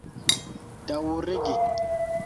daŭrigi